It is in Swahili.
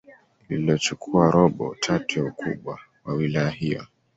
lililochukua robo tatu ya ukubwa wa wilaya hiyo